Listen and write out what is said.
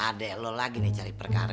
adek lu lagi nih cari perkara